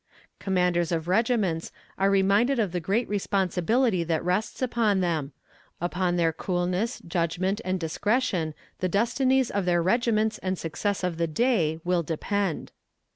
Commanders of regiments are reminded of the great responsibility that rests upon them; upon their coolness, judgment and discretion, the destinies of their regiments and success of the day will depend."